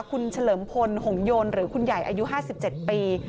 คุณเฉลิมพลหงโยนหรือคุณใหญ่อายุ๕๗ปี